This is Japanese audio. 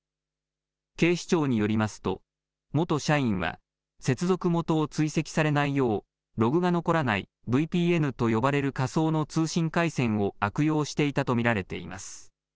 警視庁によりますと元社員は接続元を追跡されないようログが残らないＶＰＮと呼ばれる仮想の通信回線を悪用していたと見られています。